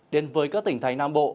đến với các tỉnh thái nam bộ